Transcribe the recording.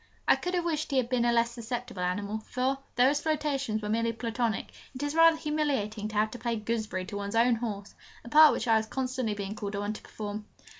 I could have wished he had been a less susceptible animal, for, though his flirtations were merely Platonic, it is rather humiliating to have to play 'gooseberry' to one's own horse a part which I was constantly being called upon to perform!